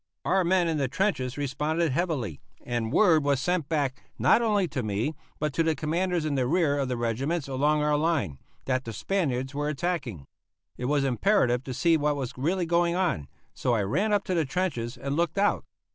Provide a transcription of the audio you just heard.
Our men in the trenches responded heavily, and word was sent back, not only to me, but to the commanders in the rear of the regiments along our line, that the Spaniards were attacking. It was imperative to see what was really going on, so I ran up to the trenches and looked out.